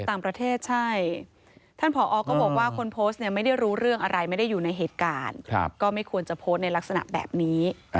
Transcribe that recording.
ต่างประเทศใช่ท่านผอก็บอกว่าคนโพสต์เนี่ยไม่ได้รู้เรื่องอะไรไม่ได้อยู่ในเหตุการณ์ก็ไม่ควรจะโพสต์ในลักษณะแบบนี้